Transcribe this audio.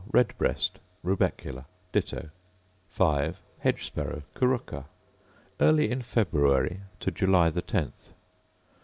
Red breast, Rubecula: Ditto. 5. Hedge sparrow, Curruca: Early in February to July the 10th.